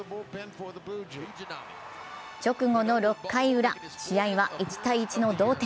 直後の６回ウラ、試合は１−１の同点。